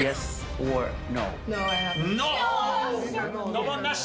ドボンなし。